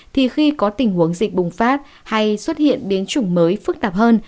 thì khi có tình huống dịch bùng phát hay xuất hiện biến chủng mới phức tạp hơn